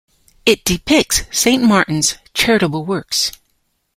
It depicts Saint Martin's charitable works.